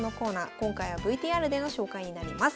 今回はＶＴＲでの紹介になります。